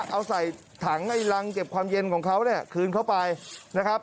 เอาใส่ถังไอ้รังเก็บความเย็นของเขาเนี่ยคืนเข้าไปนะครับ